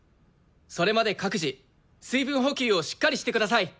それまで各自水分補給をしっかりしてください。